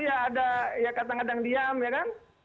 ya ada ya kadang kadang diam ya kan